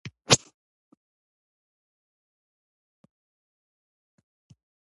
احمد له کار نه ورسته ذره ذره وي.